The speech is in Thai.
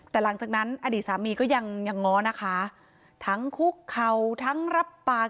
แต่หลังจากนั้นอดีตสามีก็ยังยังง้อนะคะทั้งคุกเข่าทั้งรับปาก